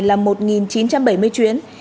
là một chín trăm bảy mươi chuyến